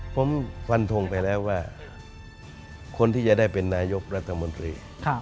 ผมฟันทงไปแล้วว่าคนที่จะได้เป็นนายกรัฐมนตรี